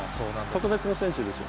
特別な選手ですよ。